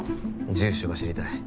住所が知りたい